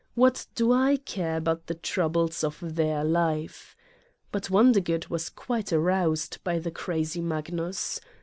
What do I care about the troubles of their life ! But Wondergood was quite aroused by the crazy Magnus.